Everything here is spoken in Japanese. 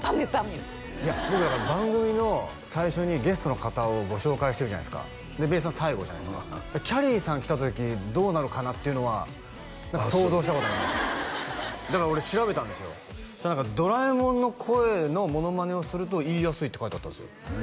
ゅいや僕だから番組の最初にゲストの方をご紹介してるじゃないですかでべーさん最後じゃないですかきゃりーさん来た時どうなのかなっていうのは想像したことありますだから俺調べたんですよそしたら何かドラえもんの声のモノマネをすると言いやすいって書いてあったんすよ